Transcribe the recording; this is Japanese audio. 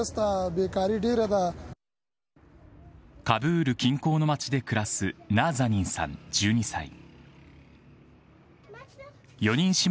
カブール近郊の町で暮らすナーザニンさん１２歳。